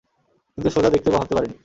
কিন্তু সোজা দেখতে বা ভাবতে পারিনি।